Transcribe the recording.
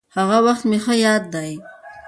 هغه وخت مې ښه ياد دي.